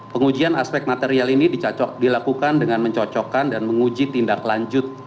pengujian aspek material ini dilakukan dengan mencocokkan dan menguji tindak lanjut